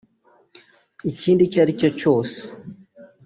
ikindi icyo aricyo cyose